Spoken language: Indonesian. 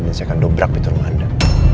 dan saya akan dobrak pintu rumah anda